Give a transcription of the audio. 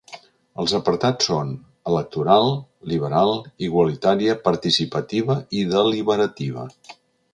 Els apartats són: electoral, liberal, igualitària, participativa i deliberativa.